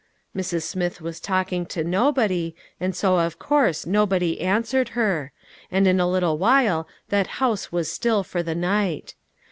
Mrs. Smith was talking to nobody, and so of course nobody answered her ; and in a little while that house was still for the night.